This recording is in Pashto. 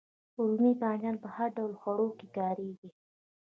رومی بانجان په هر ډول خوړو کې کاریږي